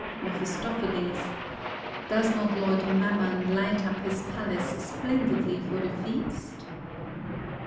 Mephistopheles.— ''Does not Lord Mammon light up his palace splendidly for the feast